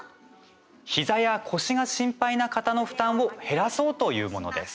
膝や腰が心配な方の負担を減らそうというものです。